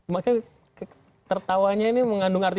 makanya tertawanya ini mengandung arti